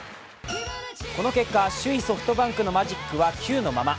この結果、首位ソフトバンクのマジックは９のまま。